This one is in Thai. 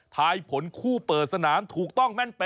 ถ่ายผลคู่เปิดสนามถูกต้องแม่น๘